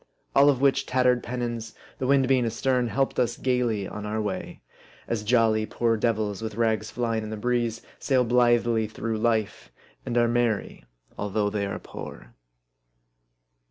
All of which tattered pennons, the wind being astern, helped us gayly on our way ; as jolly poor devils, with rags flying in the breeze, sail blithely through life ; and are merry although they are poor